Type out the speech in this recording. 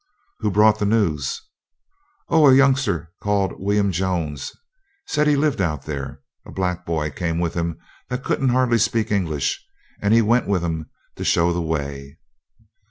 'Who brought the news?' 'Oh! a youngster called William Jones said he lived out there. A black boy came with him that couldn't hardly speak English; he went with 'em to show the way.'